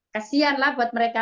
kasihan lah buat mereka